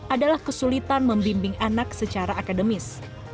adalah kesulitan membimbing anak secara akademis